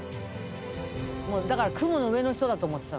もうだから雲の上の人だと思ってたのよね。